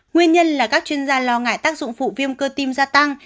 nguyên nhân là các chuyên gia lo ngại tác dụng phụ viêm cơ tim gia tăng